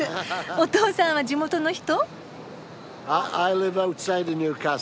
おとうさんは地元の人？